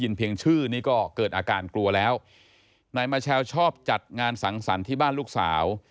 เพียงชื่อนี้ก็เกิดอาการกลัวแล้วนายมาแชลชอบจัดงานสังสรรค์ที่บ้านลูกสาว